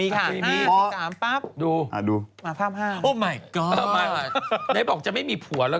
อีกยิ่งกระโโอเคอีกจะบ้าแล้ว